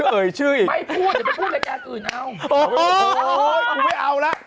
โอ้โฮเปิดไว้เอาแหละ